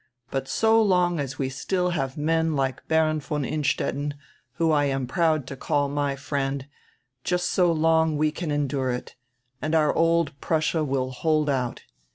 But so long as we still have men like Baron von Innstetten, whom I am proud to call my friend, just so long we can endure it, and our old Prussia will hold out.